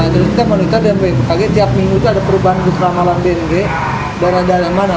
terus kita monitor dan kita lihat kayaknya tiap minggu itu ada perubahan bus malam malam bng dan ada yang mana